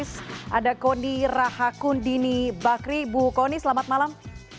selamat malam mbak pustah